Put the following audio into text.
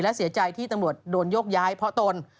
และเสียใจที่ตำรวจโดนโยกย้ายเพราะตน